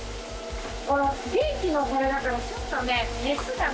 電気のこれだからちょっとね熱がね